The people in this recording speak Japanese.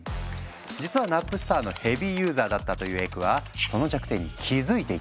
実はナップスターのヘビーユーザーだったというエクはその弱点に気付いていたんだ。